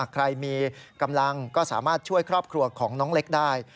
ใครมีกำลังก็สามารถช่วยครอบครัวของน้องเล็กได้